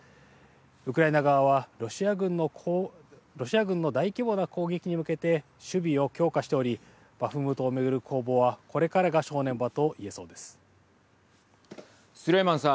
ウクライナ側はロシア軍の大規模な攻撃に向けて守備を強化しておりバフムトを巡る攻防はスレイマンさん。